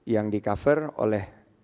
yang di cover oleh